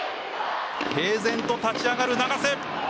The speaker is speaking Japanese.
平然と立ち上がる永瀬。